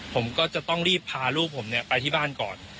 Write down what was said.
ผมก็จะต้องรีบพาลูกผมไปที่บ้านก่อน